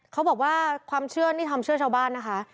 เขาบอกว่าความเชื่อนี่ความเชื่อชาวบ้านนะคะ